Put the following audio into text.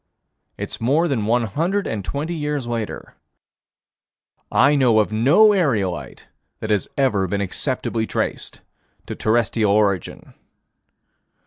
It's more than one hundred and twenty years later. I know of no aerolite that has ever been acceptably traced to terrestrial origin.